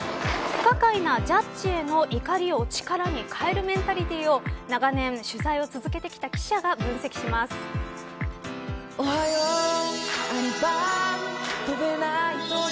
不可解なジャッジへの怒りを力に変えるメンタリティーを長年取材を続けてきた記者が分析します。